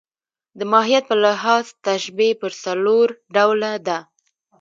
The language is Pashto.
د ماهیت په لحاظ تشبیه پر څلور ډوله ده.